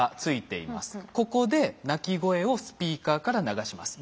ここで鳴き声をスピーカーから流します。